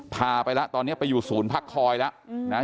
พาไปแล้วตอนนี้ไปอยู่ศูนย์พักคอยแล้วนะ